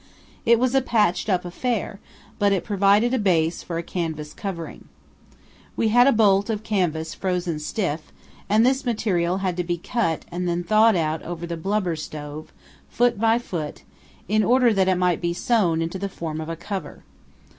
It was a patched up affair, but it provided a base for a canvas covering. We had a bolt of canvas frozen stiff, and this material had to be cut and then thawed out over the blubber stove, foot by foot, in order that it might be sewn into the form of a cover.